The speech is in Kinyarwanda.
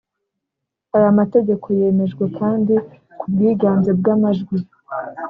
Aya mategeko yemejwe kandi ku bwiganze bw’amajwi